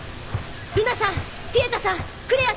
ルナさんピエタさんクレアさん。